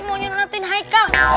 mau disunatin haikal